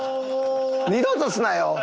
二度とすなよ。